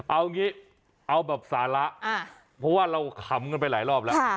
เอางี้เอาแบบสาระเพราะว่าเราขำกันไปหลายรอบแล้ว